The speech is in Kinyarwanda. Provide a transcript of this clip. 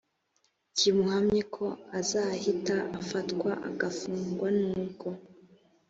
kimuhamye ko azahita afatwa agafungwa nubwo